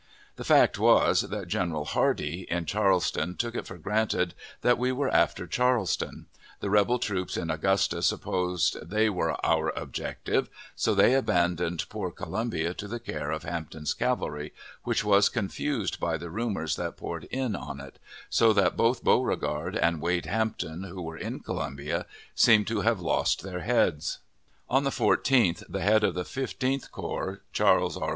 The fact was, that General Hardee, in Charleston, took it for granted that we were after Charleston; the rebel troops in Augusta supposed they were "our objective;" so they abandoned poor Columbia to the care of Hampton's cavalry, which was confused by the rumors that poured in on it, so that both Beauregard and Wade Hampton, who were in Columbia, seem to have lost their heads. On the 14th the head of the Fifteenth Corps, Charles R.